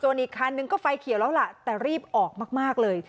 อีกคันนึงก็ไฟเขียวแล้วล่ะแต่รีบออกมากเลย